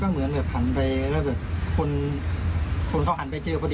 เหมือนแบบหันไปแล้วแบบคนเขาหันไปเจอพอดี